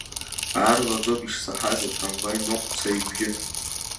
Аарлаӡоуп ишсаҳаз атрамваи ныҟәцаҩ ибжьы.